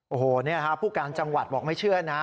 โอ้โหนี่ผู้การจังหวัดบอกไม่เชื่อนะ